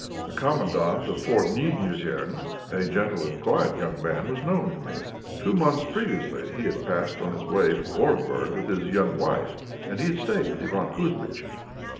The Commandant of Fort Nijnéosern, a gentle and quiet young man, was known to me. Two months previously he had passed on his way from Orenburg with his young wife, and he had stayed with Iván Kouzmitch.